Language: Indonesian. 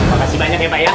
makasih banyak ya pak ya